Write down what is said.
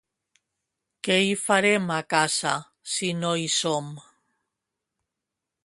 Què hi farem a casa si no hi som?